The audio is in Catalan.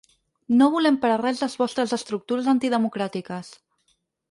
No volem per a res les vostres estructures antidemocràtiques.